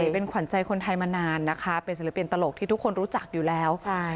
เป็นขวัญใจคนไทยมานานนะคะเป็นศิลปินตลกที่ทุกคนรู้จักอยู่แล้ว